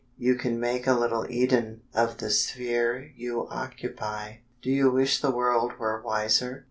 You can make a little Eden Of the sphere you occupy. Do you wish the world were wiser?